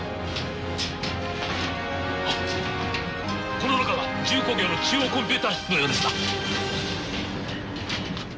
この中は重工業の中央コンピューター室のようですな。